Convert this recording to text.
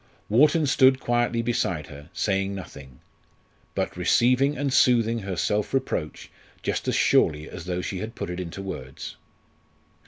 Wharton stood quietly beside her, saying nothing, but receiving and soothing her self reproach just as surely as though she had put it into words.